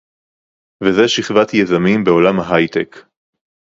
וזה שכבת יזמים בעולם ההיי-טק